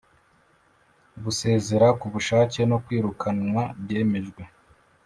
Gusezera k ubushake no kwirukanwa byemejwe